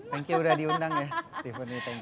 thank you udah diundang ya tiffany thank